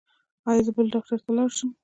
ایا زه بل ډاکټر ته لاړ شم؟